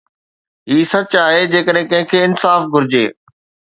هي سچ آهي جيڪڏهن ڪنهن کي انصاف گهرجي